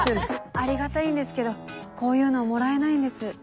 ありがたいんですけどこういうのもらえないんです。